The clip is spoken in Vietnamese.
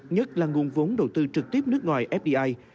nhất là nguồn vốn đầu tư trực tiếp nước ngoài fdi